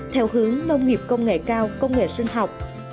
theo hướng nông nghiệp công nghệ cao công nghệ sinh học